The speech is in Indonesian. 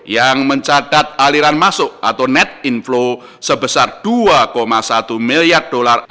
yang mencatat aliran masuk modal asing ke pasar keuangan domestik kembali berlanjut